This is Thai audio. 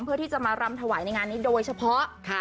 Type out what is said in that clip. เพื่อที่จะมารำถวายในงานนี้โดยเฉพาะค่ะ